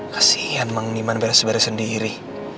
kasian mang diman beres beres sendiri